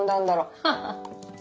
ハハハッ。